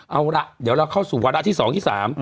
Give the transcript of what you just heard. เอาล่ะเดี๋ยวเราเข้าสู่วาระที่๒ที่๓